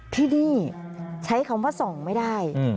ที่นี่ใช้คำว่าส่องไม่ได้